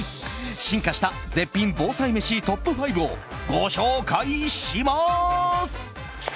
進化した絶品防災メシトップ５をご紹介します。